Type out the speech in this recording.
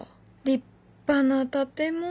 立派な建物。